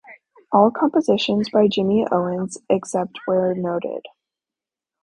All compositions by Jimmy Owens except where noted